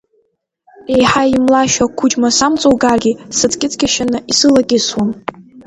Реиҳа имлашьуа ақуџьма самҵоуцаргьы, сыҵкьыҵкьашьаны исылакьысуам!